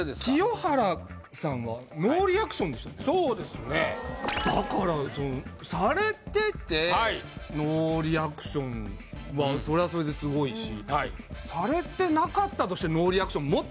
清原さんはそうですねだからされててノーリアクションはそれはそれですごいしされてなかったとしてノーリアクション